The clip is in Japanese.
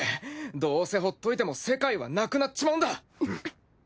どうせほっといても世界はなくなっちまうんだ。